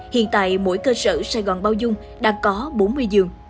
hiện tại mỗi cơ sở sài gòn bao dung đã có bốn mươi giường